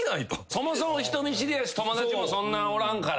そもそも人見知りやし友達もそんなおらんから。